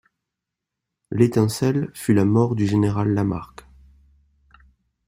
l’étincelle fut la mort du général Lamarque.